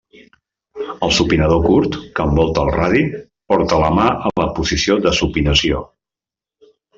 El supinador curt, que envolta el radi, porta la mà a la posició de supinació.